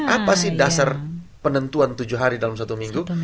apa sih dasar penentuan tujuh hari dalam satu minggu